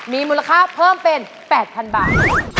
มีมูลค่าเพิ่มเป็น๘๐๐๐บาท